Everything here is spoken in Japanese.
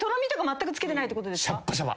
シャッバシャバ。